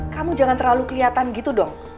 kamu jangan terlalu kelihatan gitu dong